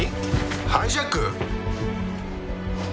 ハイジャック！？